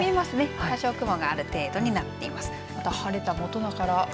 多少雲がある程度になっています。